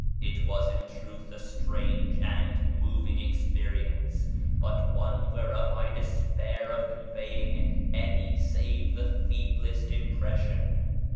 It was in truth a strange and moving experience, but one whereof I despair of conveying any save the feeblest impression.